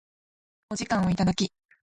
お時間をいただき